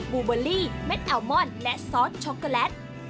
ูเบอร์ลี่เม็ดแอลมอนและซอสช็อกโกแลต